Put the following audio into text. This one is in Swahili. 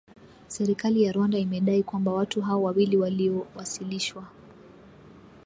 Serikali ya Rwanda imedai kwamba watu hao wawili walio wasilishwa